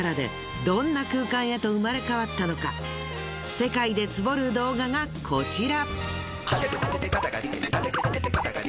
世界でツボる動画がこちら。